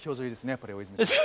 やっぱり大泉さん。